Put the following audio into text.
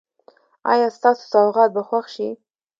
ایا ستاسو سوغات به خوښ شي؟